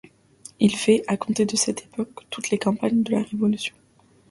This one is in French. Il fait, à compter de cette époque, toutes les campagnes de la Révolution.